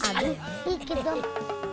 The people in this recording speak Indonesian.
aduh dikit dong